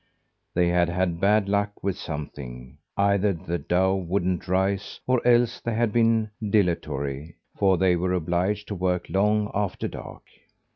They had had bad luck with something: either the dough wouldn't rise, or else they had been dilatory, for they were obliged to work long after dark.